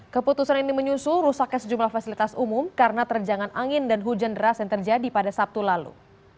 keputusan ini menyusul rusaknya sejumlah fasilitas umum karena terjangan angin dan hujan deras yang terjadi pada sabtu lalu